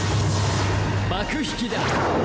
幕引きだ！